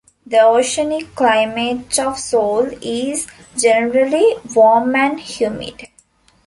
The oceanic climate of Soule is generally warm and humid.